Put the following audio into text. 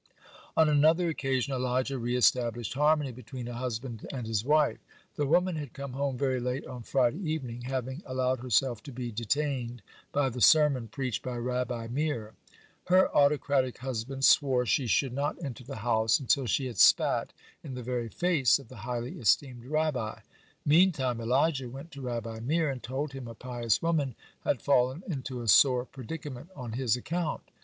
(59) On another occasion, Elijah re established harmony between a husband and his wife. The woman had come home very late on Friday evening, having allowed herself to be detained by the sermon preached by Rabbi Meir. Her autocratic husband swore she should not enter the house until she had spat in the very face of the highly esteemed Rabbi. Meantime Elijah went to Rabbi Meir, and told him a pious woman had fallen into a sore predicament on his account.